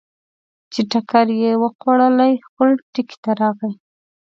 چې ټکرې یې وخوړلې، خپل ټکي ته راغی.